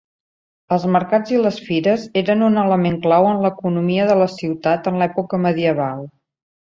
Els mercats i les fires eren un element clau en l'economia de la ciutat en l'època medieval.